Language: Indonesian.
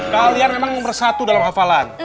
kalian memang bersatu dalam hafalan